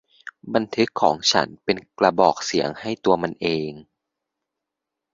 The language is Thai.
บันทึกของฉันเป็นกระบอกเสียงให้ตัวมันเอง